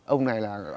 ông này là